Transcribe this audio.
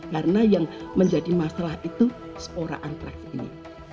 karena yang menjadi masalah itu spora antraks ini